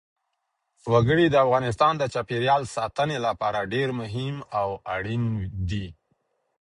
وګړي د افغانستان د چاپیریال ساتنې لپاره ډېر مهم او اړین دي.